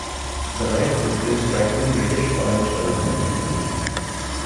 The ripe fruit is a striking reddish orange color.